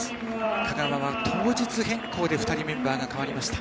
香川は、当日変更で２人メンバーが代わりました。